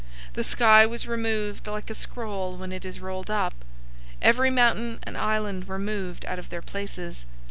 006:014 The sky was removed like a scroll when it is rolled up. Every mountain and island were moved out of their places.